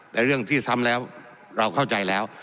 แต่เรื่องที่ซ้ำแล้วเราเข้าใจแล้ว